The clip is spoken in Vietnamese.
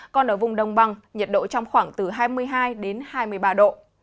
còn ở vùng đồng bằng nhiệt độ trong khoảng từ hai mươi hai đến hai mươi ba độ